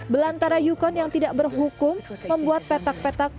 seorang antara yukon yang tidak berhukum membuat petak petak penjualan